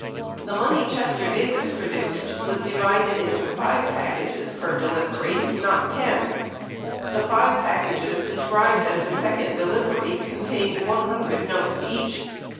The money Chester Davis produced was divided into 5 packages per de livery, not 10. The 5 packages described as the second delivery con tained 100 notes each.